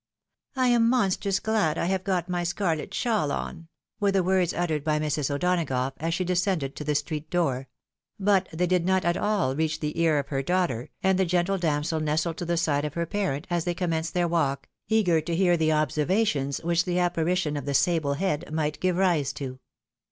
I am monstrous glad I have got my scarlet shawl on," were the words uttered by Mrs. O'Donagough, as she descended to the street door ; but they did not aU reach the ear of her daughter, and the gentle damsel nestled to the side of her parent, as they commenced their walk, eager to hear the observations which the apparition of the sable head might give rise to.